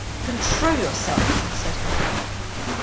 "Control yourself," said her father.